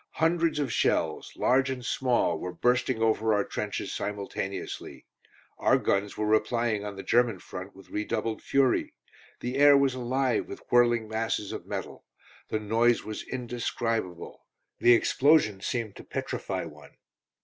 Hundreds of shells, large and small, were bursting over our trenches simultaneously; our guns were replying on the German front with redoubled fury; the air was alive with whirling masses of metal. The noise was indescribable. The explosions seemed to petrify one.